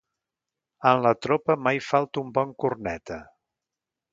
En la tropa mai falta un bon corneta.